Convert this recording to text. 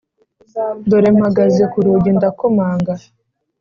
Dore mpagaze ku rugi ndakomanga.